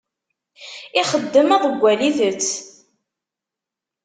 Ixeddem aḍeggal itett.